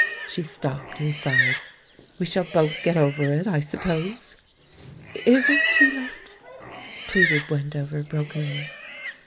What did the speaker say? She stopped, and sighed. "We shall both get over it, I suppose." ''Is it too late?" pleaded Wendover brokenly.